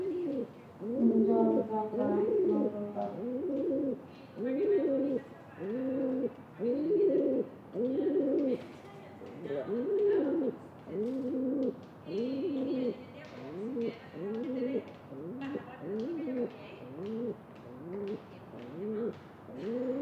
লালু নিতীশদের এই গড়ে মুসলমান ভোট ভাগ হলে সবচেয়ে লাভ বিজেপির।